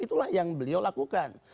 itulah yang beliau lakukan